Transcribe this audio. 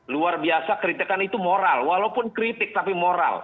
luar biasa kritikan itu moral walaupun kritik tapi moral